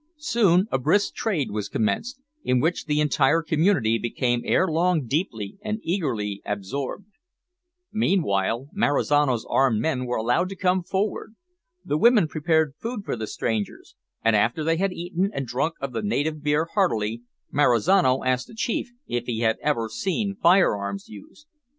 Soon a brisk trade was commenced, in which the entire community became ere long deeply and eagerly absorbed. Meanwhile Marizano's armed men were allowed to come forward. The women prepared food for the strangers; and after they had eaten and drunk of the native beer heartily, Marizano asked the chief if he had ever seen fire arms used.